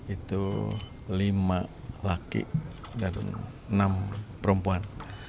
itu lima laki dan enam perempuan